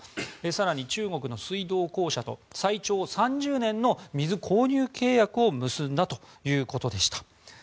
更に中国の水道公社と最長３０年の水購入契約を結んだということでした。